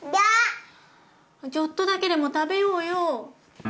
ちょっとだけでも食べようよ。